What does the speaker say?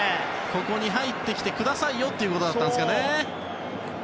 ここに入ってきてくださいよということだったんですかね。